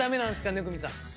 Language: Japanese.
生見さん。